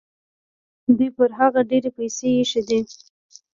دوی پر هغه ډېرې پیسې ایښي دي.